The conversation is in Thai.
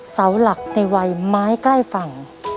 เสาหลักในวัยไม้ใกล้ฝั่ง